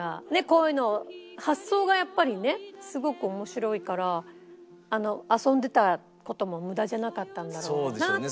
こういうの発想がやっぱりねすごく面白いから遊んでた事も無駄じゃなかったんだろうなって。